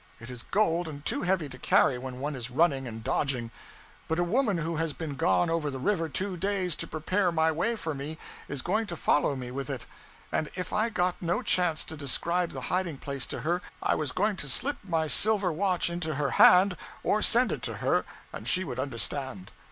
It is gold, and too heavy to carry when one is running and dodging; but a woman who has been gone over the river two days to prepare my way for me is going to follow me with it; and if I got no chance to describe the hiding place to her I was going to slip my silver watch into her hand, or send it to her, and she would understand.